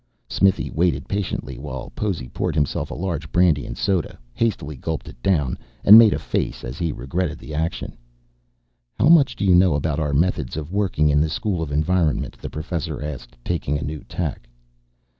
Smithy waited patiently while Possy poured himself a large brandy and soda, hastily gulped it down, and made a face as he regretted the action. "How much do you know about our methods of working in the School of Environment?" the professor asked, taking a new tack.